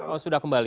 oh sudah kembali